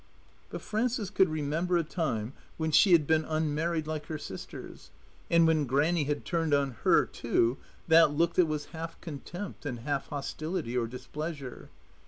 But Frances could remember a time when she had been unmarried like her sisters, and when Grannie had turned on her, too, that look that was half contempt and half hostility or displeasure.